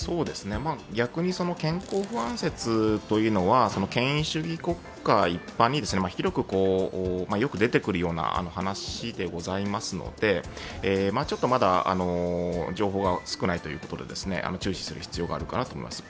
逆に健康不安説というのは、権威主義国家一般に、広くよく出てくるような話でございますので、ちょっとまだ情報が少ないということで、注視する必要があるかなと思います。